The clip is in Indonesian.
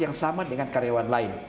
yang sama dengan karyawan lain